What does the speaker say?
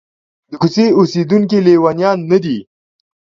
د کوڅې اوسېدونکي لېونیان نه دي.